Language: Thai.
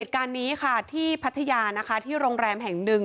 เหตุการณ์นี้ค่ะที่พัทยานะคะที่โรงแรมแห่งหนึ่ง